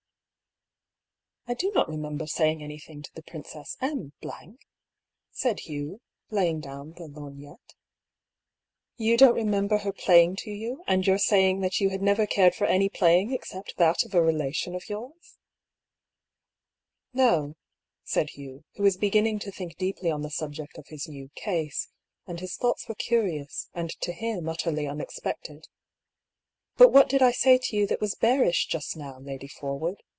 " I do not remember saying anything to the Princess M ," said Hugh, laying down the lorgnette. " You don't remember her playing to you, and your saying that you had never cared for any playing except that of a relation of yours ?" 12 172 DR. PAULL'S THEORY. " No," said Hugh, who was beginning to think deeply on the subject of his new "case;" and his thoughts were curious, and to him utterly unexpected. " But what did I say to you that was bearish just now, Lady Forwood?